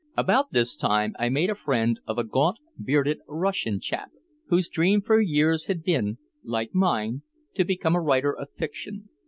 About this time I made a friend of a gaunt, bearded Russian chap, whose dream for years had been, like mine, to become a writer of fiction.